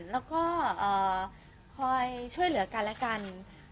แล้วก็คอยช่วยเหลือกันและกัน